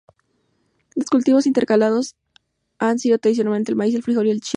Los cultivos intercalados han sido tradicionalmente el maíz, el frijol, el chile.